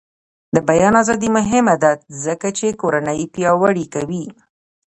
د بیان ازادي مهمه ده ځکه چې کورنۍ پیاوړې کوي.